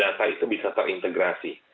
data itu bisa terintegrasi